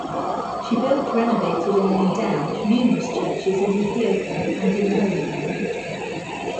She built, renovated and endowed numerous churches in Ethiopia and in the Holy Land.